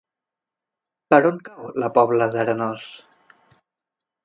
Per on cau la Pobla d'Arenós?